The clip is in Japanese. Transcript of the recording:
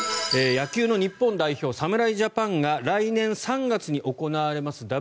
野球の日本代表、侍ジャパンが来年３月に行われます